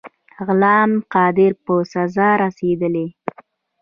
غلام قادر په سزا رسېدلی دی.